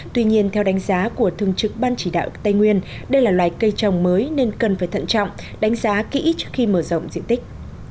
tuy nhiên theo đánh giá của thường trực ban chỉ đạo tây nguyên đây là loại cây trồng mới nên cần phải thận trọng đánh giá kỹ trước khi mở rộng diện tích